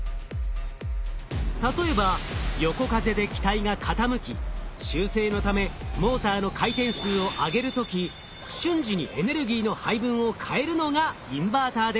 例えば横風で機体が傾き修正のためモーターの回転数を上げる時瞬時にエネルギーの配分を変えるのがインバーターです。